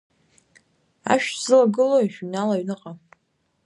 Ашә шәзылагылои, шәыҩнал аҩныҟа!